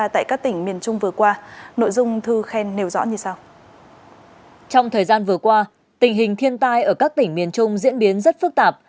trong thời gian vừa qua tình hình thiên tai ở các tỉnh miền trung diễn biến rất phức tạp